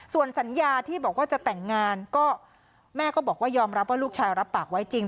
ส่วนสัญญาที่บอกว่าจะแต่งงานก็แม่ก็บอกว่ายอมรับว่าลูกชายรับปากไว้จริง